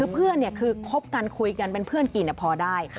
เพื่อนคือคบกันคุยกันเป็นเพื่อนกินพอได้